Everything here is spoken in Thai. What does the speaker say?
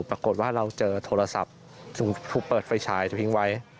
ปรากฏว่าเราเจอโทรศัพท์ถูกเปิดไฟฉายทิ้งไว้